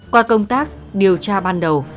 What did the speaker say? qua công tác điều tra ban đầu